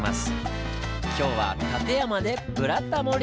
今日は立山で「ブラタモリ」！